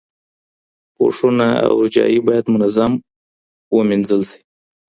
پوښونه او روجايي باید منظم وینځل شي.